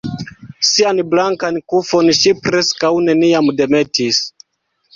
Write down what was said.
Sian blankan kufon ŝi preskaŭ neniam demetis.